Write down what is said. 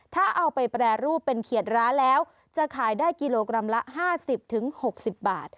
ถ้าเอาไปแปรรูปเป็นเขียดร้าแล้วจะขายได้กิโลกรัมละ๕๐๖๐บาท